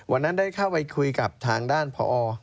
วันนั้นได้เข้าไปคุยกับทางด้านพอ